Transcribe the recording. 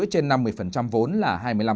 trên năm mươi vốn là hai mươi năm